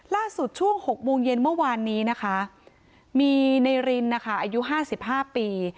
ช่วง๖โมงเย็นเมื่อวานนี้นะคะมีในรินนะคะอายุ๕๕ปี